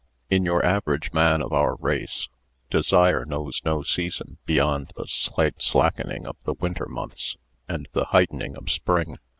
IN the average man of our race desire knows no season beyond the slight slackening of the winter months and the heightening of spring.